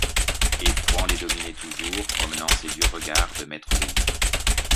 Et Fouan les dominait toujours, promenant ses durs regards de maître obéi.